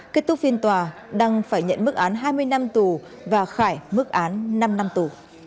kết thúc phiên tòa đăng phải nhận mức án hai mươi năm tù và khải mức án năm năm tù